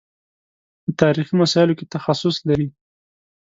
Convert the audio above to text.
په تاریخي مسایلو کې تخصص لري.